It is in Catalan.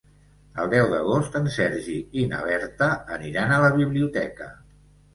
El deu d'agost en Sergi i na Berta aniran a la biblioteca.